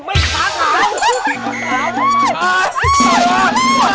แม่ฝาขาว